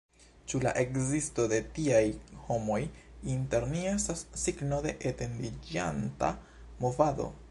Ĉu la ekzisto de tiaj homoj inter ni estas signo de etendiĝanta movado?